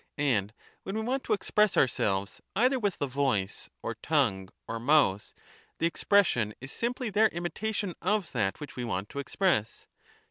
And when we want to express ourselves, either with the voice, or tongue, or mouth, the expression is simply their imitation of that which we want to express.